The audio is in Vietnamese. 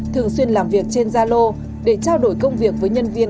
thường xuyên làm việc trên zalo để trao đổi công việc với nhân viên